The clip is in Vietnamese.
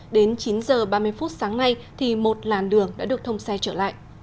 đến chín h ba mươi phút sáng nay thì một làn đường đã được thông xe trở lại